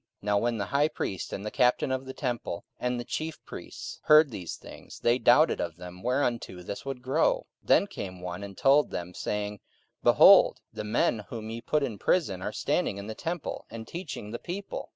44:005:024 Now when the high priest and the captain of the temple and the chief priests heard these things, they doubted of them whereunto this would grow. 44:005:025 Then came one and told them, saying, Behold, the men whom ye put in prison are standing in the temple, and teaching the people.